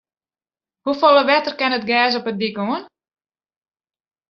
Hoefolle wetter kin it gers op de dyk oan?